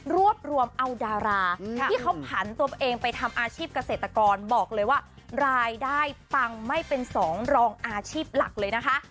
รวบรวมเอาดาราที่เขาผันตัวเองไปทำอาชีพเกษตรกรบอกเลยว่ารายได้ตังค์ไม่เป็นสองรองอาชีพหลักเลยนะคะ